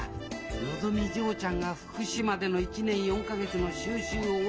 のぞみ嬢ちゃんが福島での１年４か月の修習を終えて